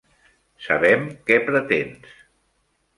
Sabem què pretens.